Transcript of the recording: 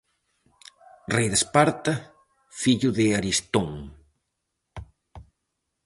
Rei de Esparta, fillo de Aristón.